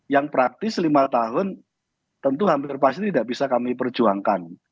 yang pertama adalah compreh communion